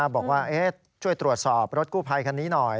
บอกว่าช่วยตรวจสอบรถกู้ภัยคันนี้หน่อย